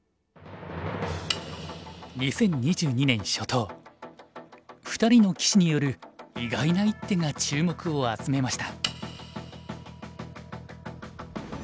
２０２２年初頭２人の棋士による意外な一手が注目を集めました。